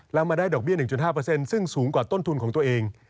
แล้วมาได้ดอกเบี้๑๕ซึ่งสูงกว่าต้นทุนของตัวเอง